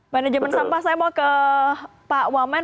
manajemen sampah saya mau ke pak wamen